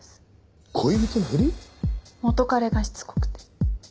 元彼がしつこくて。